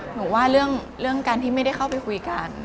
หนูว่าเรื่องการที่ไม่ได้เข้าไปคุยกัน